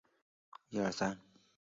后周设莘亭县。